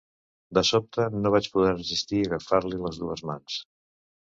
De sobte, no vaig poder resistir agafar-li les dues mans.